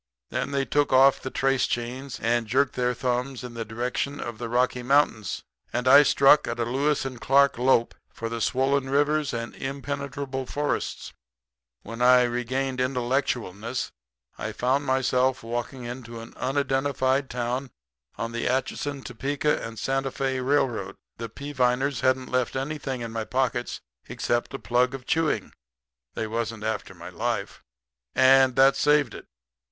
Then they took off the trace chains and jerked their thumbs in the direction of the Rocky Mountains; and I struck a Lewis and Clark lope for the swollen rivers and impenetrable forests. "When I regained intellectualness I found myself walking into an unidentified town on the A., T. & S. F. railroad. The Peaviners hadn't left anything in my pockets except a plug of chewing they wasn't after my life and that saved it.